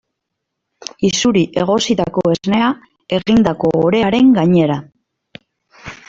Isuri egositako esnea egindako orearen gainera.